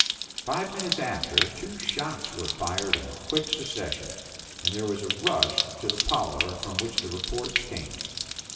Five minutes after two shots were fired in quick succession, and there was a rush to the parlor from which the reports came.